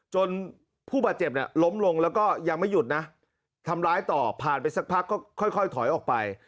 จนผู้บาดเจ็บเนี่ยล้มลงแล้วก็ยังไม่หยุดนะทำร้ายต่อผ่านไปสักพักก็ค่อยถอยออกไป